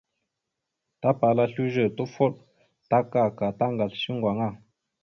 Tapala slʉze, tufoɗ, taka ma tagasl shʉŋgo aŋa.